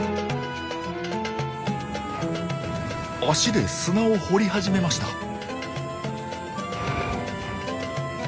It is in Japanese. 足で砂を掘り始めました。